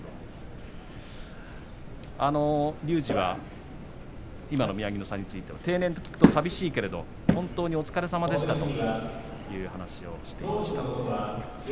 隆二に今の宮城野さんについて定年と聞くとさみしいけども本当にお疲れさまでしたという話をしていました。